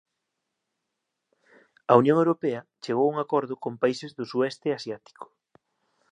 A Unión Europea chegou a un acordo con países do sueste asiático